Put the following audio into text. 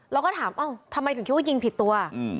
เราก็ถามทำไมถึงคิดว่ายิงผิดตัว